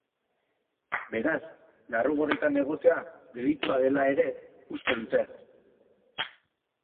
Beraz, larru gorritan egotea delitua dela ere uste dute!